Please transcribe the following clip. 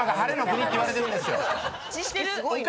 知識すごい。